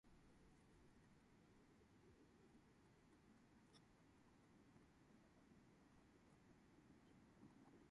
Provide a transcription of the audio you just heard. They have worked extensively with artists Andy Goldsworthy and Peter Randall-Page.